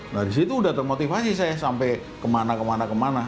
nah di situ sudah termotivasi saya sampai kemana kemana kemana